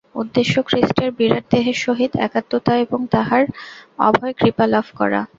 উদ্দেশ্য খ্রীষ্টের বিরাট দেহের সহিত একাত্মতা এবং তাঁহার অভয় কৃপা লাভ করা।